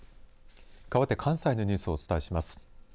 かわって関西のニュースをお伝えします。